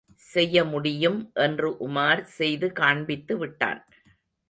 செய்யமுடியும் என்று உமார் செய்து காண்பித்துவிட்டான்.